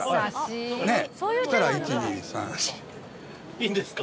いいんですか？